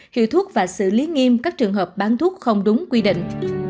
hiệu thuốc và xử lý nghiêm các trường hợp bán thuốc không đúng quy định